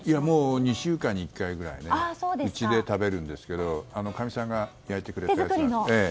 ２週間に１回ぐらいうちで食べるんですけどかみさんが焼いてくれて。